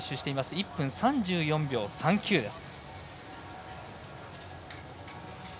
１分３４秒３９です。